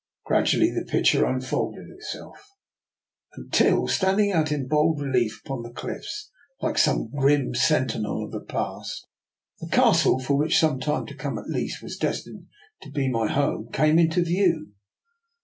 Gradually the picture unfolded itself, until, standing out in bold relief upon the cliffs like some grim sentinel of the past, the castle which, for some time to come at least, was destined to be my home came into view.